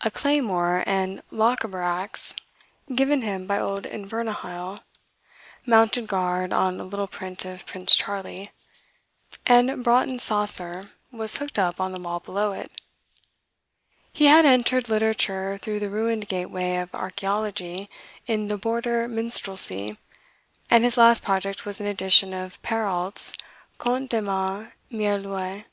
A claymore and Lochaber axe, given him by old Invernahyle, mounted guard on a little print of Prince Charlie; and Broughton's Saucer was hooked up on the wall below it." He had entered literature through the ruined gateway of archleology, in the "Border Minstrelsy," and his last project was an edition of Perrault's "Contes de Ma Mere l'Oie."